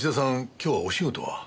今日はお仕事は？